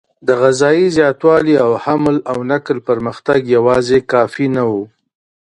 د غذایي زیاتوالي او حمل او نقل پرمختګ یواځې کافي نه و.